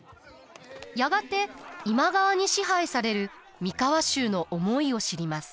やがて今川に支配される三河衆の思いを知ります。